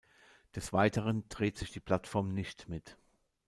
Des Weiteren dreht sich die Plattform nicht mit.